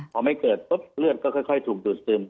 พอไม่เกิดปุ๊บเลือดก็ค่อยถูกดูดซึม